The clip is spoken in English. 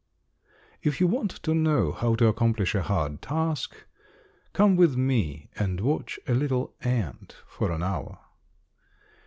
If you want to know how to accomplish a hard task, come with me and watch a little ant for an hour.